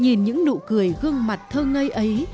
nhìn những nụ cười gương mặt thơ ngây ấy